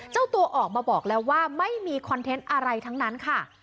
เจ้าตัวออกมาบอกแล้วว่าไม่มีคอนเทนต์อะไรทั้งนั้นค่ะ